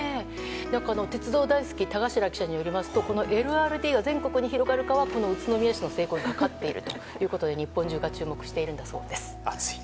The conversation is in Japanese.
鉄道大好きの記者によりますとこのＬＲＴが全国に広がるかは宇都宮市の成功にかかっているということで日本中が注目しているそうです。